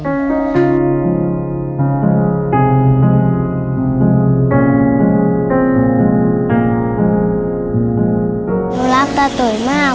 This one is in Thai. ผมรับลาตัวตื่นมากนะครับ